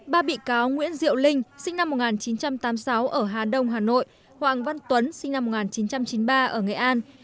ba bị cáo nguyễn diệu linh sinh năm một nghìn chín trăm tám mươi sáu ở hà đông hà nội hoàng văn tuấn sinh năm một nghìn chín trăm chín mươi ba ở nghệ an